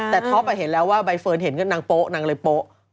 แต่ท็อปเห็นแล้วว่าใบเฟิร์นเห็นนางโป๊ะนางเลยโป๊ะ